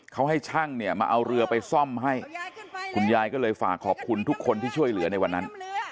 เขาให้ช่างเนี่ยมาเอาเรือไปซ่อมให้คุณยายก็เลยฝากขอบคุณทุกคนที่ช่วยเหลือในวันนั้น